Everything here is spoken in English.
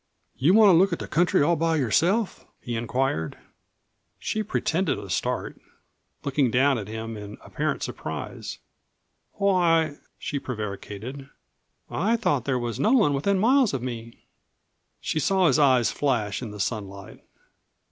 "You want to look at the country all by yourself?" he inquired. She pretended a start, looking down at him in apparent surprise. "Why," she prevaricated, "I thought there was no one within miles of me!" She saw his eyes flash in the sunlight.